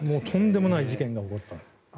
とんでもない事件が起こったんです。